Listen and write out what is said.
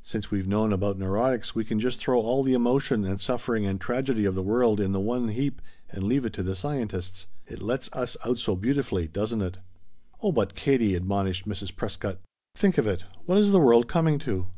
Since we've known about neurotics we can just throw all the emotion and suffering and tragedy of the world in the one heap and leave it to the scientists. It lets us out so beautifully, doesn't it?" "Oh, but Katie!" admonished Mrs. Prescott. "Think of it! What is the world coming to?